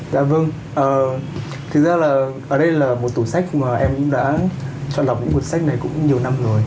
dạ vâng thực ra là ở đây là một tủ sách mà em cũng đã chọn lọc những cuốn sách này cũng nhiều năm rồi